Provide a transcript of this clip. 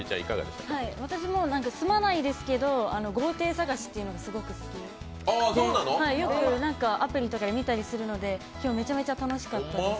私も、住まないですけど豪邸探しっていうのがすごく好きで、よくアプリとかで見たりするので今日、めちゃめちゃ楽しかった。